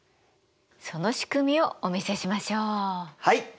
その仕組みをお見せしましょう。